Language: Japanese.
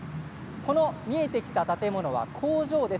見えてきた建物工場です。